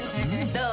どう？